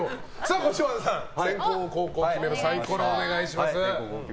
児嶋さん、先攻・後攻を決めるサイコロをお願いします。